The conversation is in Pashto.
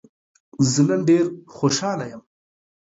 زه نن ډېر خوشحاله يم.